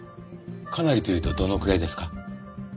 かなりというとどのくらいですか？